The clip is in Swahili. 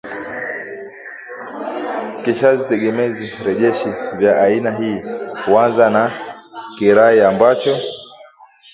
kishazi tegemezi rejeshi vya aina hii huanza na kirai ambacho